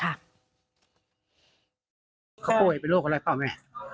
เขาป่วยเป็นโรคอะไรเปล่าแม่